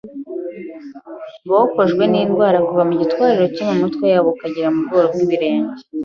bokojwe n’indwara kuva mu gitwariro cyo ku mitwe yabo ukagera mu bworo bw’ibirenge